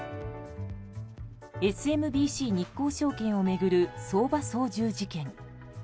ＳＭＢＣ日興証券を巡る相場操縦事件。